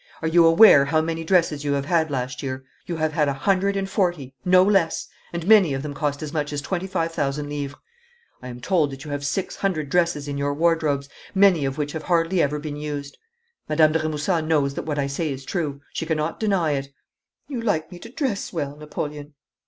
'Are you aware how many dresses you have had last year? You have had a hundred and forty no less and many of them cost as much as twenty five thousand livres. I am told that you have six hundred dresses in your wardrobes, many of which have hardly ever been used. Madame de Remusat knows that what I say is true. She cannot deny it.' 'You like me to dress well, Napoleon.'